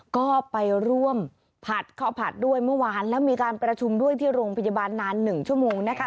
ก็ไปร่วมผัดข้าวผัดด้วยเมื่อวานแล้วมีการประชุมด้วยที่โรงพยาบาลนาน๑ชั่วโมงนะคะ